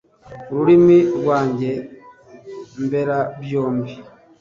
ururimi rwanjye mberabyombi